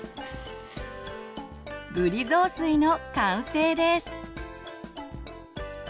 ぶり雑炊の完成です。